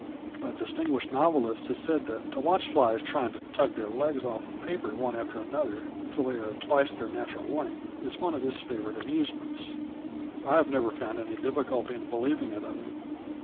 A distinguished novelist has said that to watch flies trying to tug their legs off the paper one after another till they are twice their natural length is one of his favourite amusements. I have never found any difficulty in believing it of him.